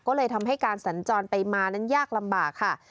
ก็เลยทำให้การสัญจรไปมานั้นยากลำบากค่ะ